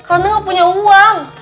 karena gak punya uang